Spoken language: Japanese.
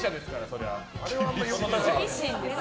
厳しいんですよ。